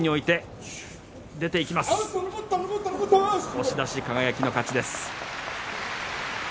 押し出し、輝の勝ちです。